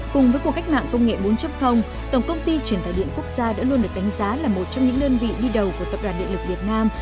cùng với cuộc cách mạng công nghệ bốn tổng công ty truyền tài điện quốc gia đã luôn được đánh giá là một trong những đơn vị đi đầu của tập đoàn điện lực việt nam